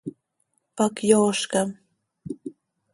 Pac yoozcam.